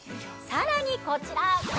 さらにこちら。